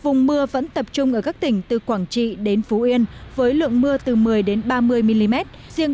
vùng mưa vẫn tập trung ở các tỉnh từ quảng trị đến phú yên với lượng mưa từ một mươi ba mươi mm riêng